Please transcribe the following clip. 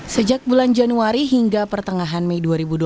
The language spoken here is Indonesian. sejak bulan januari hingga pertengahan mei dua ribu dua puluh